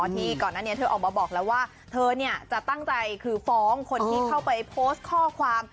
ที่ก่อนนะเธอออกมาบอกว่าเธอตั้งใจฟ้องคนที่เข้าไปโพสต์ข้อความ